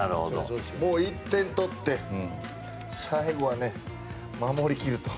もう、１点取って最後は守り切ると。